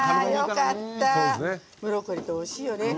ブロッコリーっておいしいよね。